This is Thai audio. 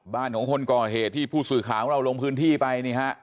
บ้านของคนก่อเหตุที่ผู้สื่อข่าวของเราลงพื้นที่ไปนี่ฮะ